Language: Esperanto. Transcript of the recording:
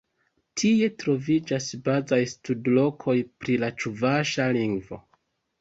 Tie troviĝas bazaj studlokoj pri la ĉuvaŝa lingvo.